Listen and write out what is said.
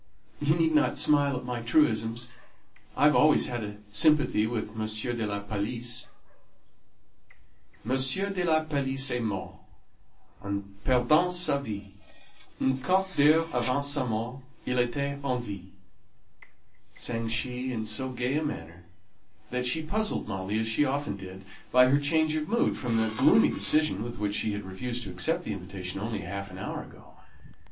You need not smile at my truisms; I've always had a sympathy with M. de la Palisse, M. de la Palisse est mort En perdant sa vie; Un quart d'heure avant sa mort Il Ätait en vie," sang she, in so gay a manner that she puzzled Molly, as she often did, by her change of mood from the gloomy decision with which she had refused to accept the invitation only half an hour ago.